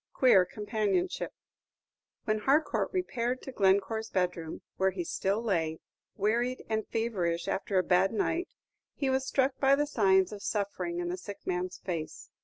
QUEER COMPANIONSHIP When Harcourt repaired to Glencore's bedroom, where he still lay, wearied and feverish after a bad night, he was struck by the signs of suffering in the sick man's face.